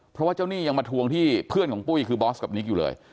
เพราะว่าเจ้าหนี้ยังมาทวงที่เพื่อนของปุ้ยคือบอสกับนิกอยู่เลย